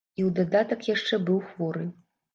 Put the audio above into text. І ў дадатак яшчэ быў хворы.